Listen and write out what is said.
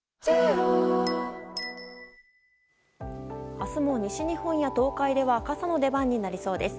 明日も、西日本や東海では傘の出番になりそうです。